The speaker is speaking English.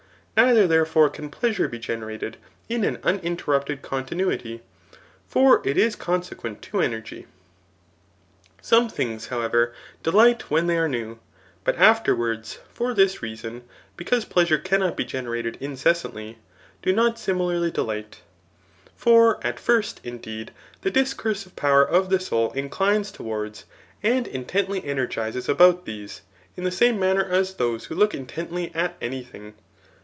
Neither, therefore, can pleasure be generated in an uninterrupted continuity ; for it is coiffiequent to energy. Some things, however, delight when they are new ; but afterwards for this reason [because pleasure cannot be generated incessantly] do not similarly delight For at first, indeed, the discursive power of the soul in clines towards, and intently energizes about these, in the same manner as those who look intently at any thing.